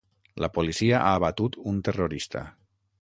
La policia ha abatut un terrorista.